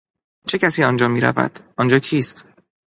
چه کسی آنجا میرود؟ آنجا کیست؟